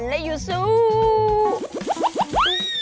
ไว้อยู่ซูบ